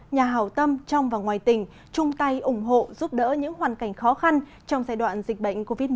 nhà hào tâm trong và ngoài tỉnh chung tay ủng hộ giúp đỡ những hoàn cảnh khó khăn trong giai đoạn dịch bệnh covid một mươi chín